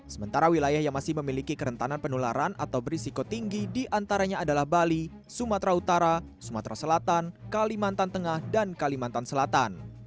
sementara wilayah yang masih memiliki kerentanan penularan atau berisiko tinggi diantaranya adalah bali sumatera utara sumatera selatan kalimantan tengah dan kalimantan selatan